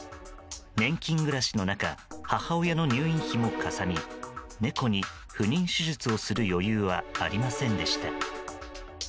年金暮らしの中母親の入院費もかさみ猫に不妊手術をする余裕はありませんでした。